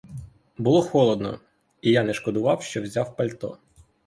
Було холодно, і я не шкодував, що взяв пальто.